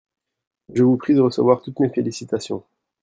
je vous prie de recevoir toutes mes félicitations.